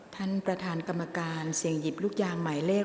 ท่านประธานกรรมการเสี่ยงหยิบลูกยางหมายเลข